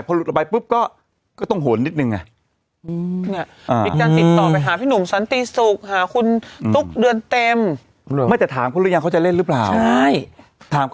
พอหลุดออกไปทั้งนี้ปิ๊บก็ต้องโหนละนิดนึง